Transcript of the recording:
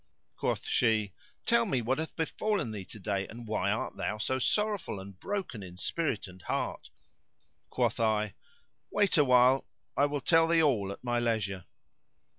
Quoth she, "Tell me what hath befallen thee to day, and why art thou so sorrowful and broken in spirit and heart?" Quoth I, "Wait awhile; I will tell thee all at my leisure."